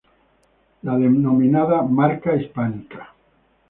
La denominada Marca Hispánica.